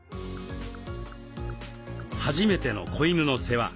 初めての子犬の世話。